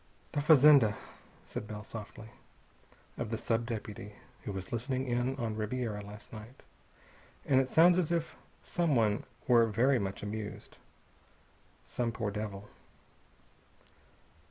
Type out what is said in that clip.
"The fazenda," said Bell softly, "of the sub deputy who was listening in on Ribiera last night. And it sounds as if someone were very much amused. Some poor devil...."